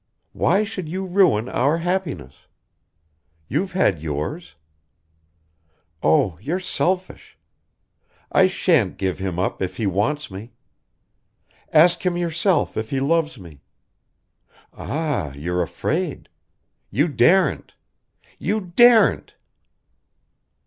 Why should you ruin our happiness? You've had yours. Oh, you're selfish. I shan't give him up if he wants me. Ask him yourself if he loves me... Ah, you're afraid. You daren't. You daren't!"